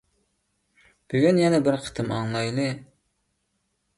بۈگۈن يەنە بىر قېتىم ئاڭلايلى.